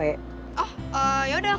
biar gue aja nganterin